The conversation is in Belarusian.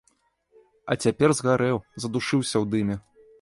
А цяпер згарэў, задушыўся ў дыме.